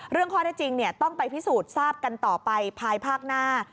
ข้อได้จริงต้องไปพิสูจน์ทราบกันต่อไปภายภาคหน้า